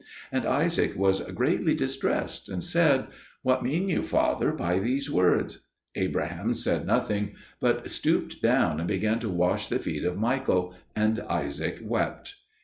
And Isaac was greatly distressed and said, "What mean you, father, by these words?" Abraham said nothing, but stooped down and began to wash the feet of Michael; and Isaac wept.